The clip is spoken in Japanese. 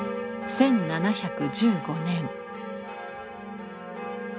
１７１５年。